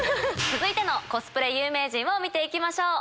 続いてのコスプレ有名人を見て行きましょう。